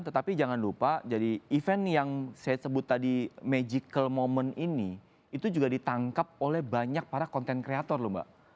tetapi jangan lupa jadi event yang saya sebut tadi magical moment ini itu juga ditangkap oleh banyak para content creator lho mbak